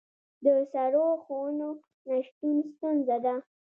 د سړو خونو نشتون ستونزه ده